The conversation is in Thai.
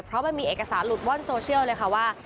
เพราะมันมีเอกสารหลุดว่อนโซเชียลเลยค่ะว่า